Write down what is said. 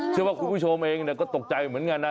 เชื่อว่าคุณผู้ชมเองก็ตกใจเยอะเหมือนกันนะ